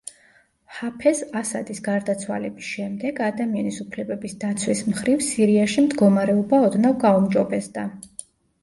ჰაფეზ ასადის გარდაცვალების შემდეგ ადამიანის უფლებების დაცვის მხრივ სირიაში მდგომარეობა ოდნავ გაუმჯობესდა.